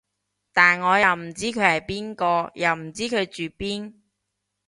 但我又唔知佢係邊個，又唔知佢住邊